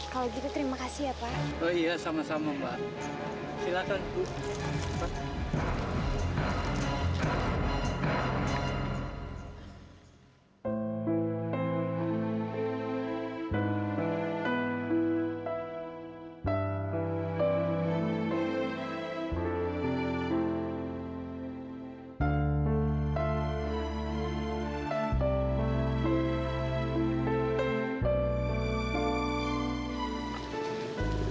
kalau gitu terima kasih ya pak iya sama sama mbak silakan